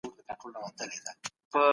زه میوه خوښوم.